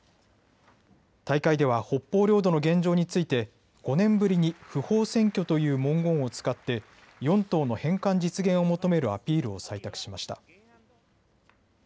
大会では北方領土の現状について５年ぶりに不法占拠という文言を使って四島の返還実現を求めるアピールを採択しました。